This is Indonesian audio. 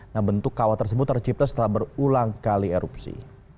nah bentuk kawah tersebut tercipta setelah berulang kali erupsi